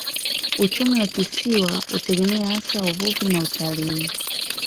Uchumi wa kisiwa hutegemea hasa uvuvi na utalii.